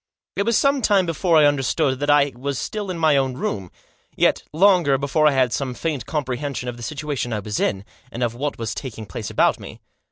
It was some time before I understood that I was still in my own room ; yet, longer before I had some faint comprehension of the situation I was in, and of what was taking place about me.